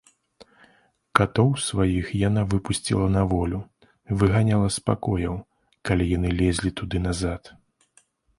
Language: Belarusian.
Катоў сваіх яна выпусціла на волю, выганяла з пакояў, калі яны лезлі туды назад.